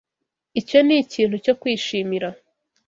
Icyo ni ikintu cyo kwishimira.